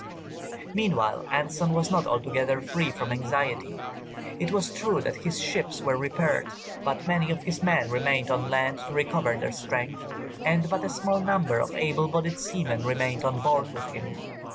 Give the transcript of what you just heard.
Meanwhile Anson was not altogether free from anxiety. It was true that his ships were repaired, but many of his men remained on land to recover their strength, and but a small number of able bodied seamen remained on board with him.